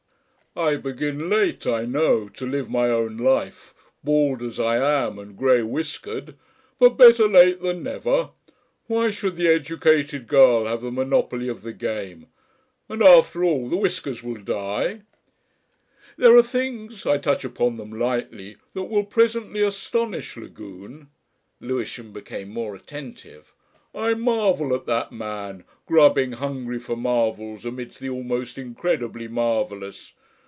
I begin late, I know, to live my own life, bald as I am and grey whiskered; but better late than never. Why should the educated girl have the monopoly of the game? And after all, the whiskers will dye.... "There are things I touch upon them lightly that will presently astonish Lagune." Lewisham became more attentive. "I marvel at that man, grubbing hungry for marvels amidst the almost incredibly marvellous.